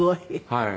はい。